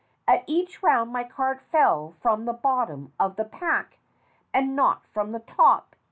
At each round my card fell from the bottom of the pack, and not from the top.